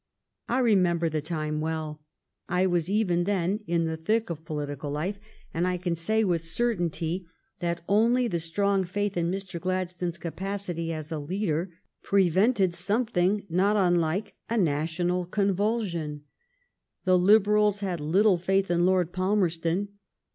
I remember the time well. I was even then in the thick of political life, and I can say with certainty that only the strong faith in Mr. Glad stones capacity as a leader prevented something not unlike a national convulsion. The Liberals had little faith in Lord Palmerston.